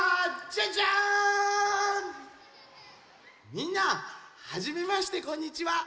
みんなはじめましてこんにちは。